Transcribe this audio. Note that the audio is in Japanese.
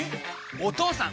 お義父さん！